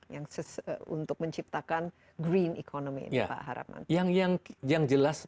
yang untuk menciptakan green economy ini pak haraman